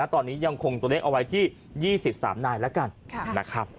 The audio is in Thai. ตอนนี้ยังคงตัวเลขเอาไว้ที่๒๓นายแล้วกันนะครับ